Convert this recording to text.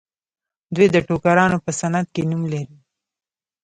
دوی د ټوکرانو په صنعت کې نوم لري.